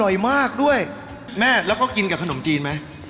มากด้วยแม่แล้วก็กินกับขนมจีนไหม